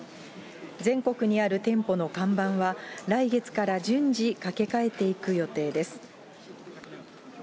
全国にある店舗の看板は、来月から順次、かけ替えていく予定です。